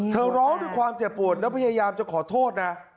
ร้องด้วยความเจ็บปวดแล้วพยายามจะขอโทษนะ